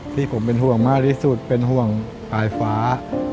ที่ผมเป็นห่วงมากที่สุดเป็นห่วงปลายฟ้า